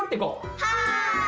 はい！